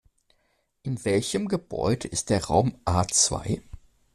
In welchem Gebäude ist der Raum A zwei?